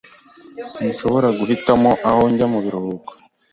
Sinshobora guhitamo aho njya mubiruhuko.